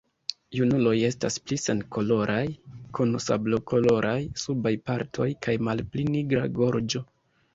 Junuloj estas pli senkoloraj, kun sablokoloraj subaj partoj kaj malpli nigra gorĝo.